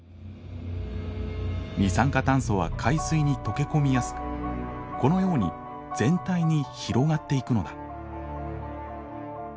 二酸化炭素は海水に溶け込みやすくこのように全体に広がっていくのだ。